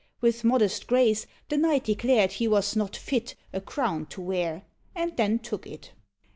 With modest grace The knight declared he was not fit A crown to wear, and then took it.